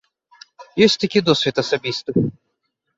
Ёсць такі досвед асабісты.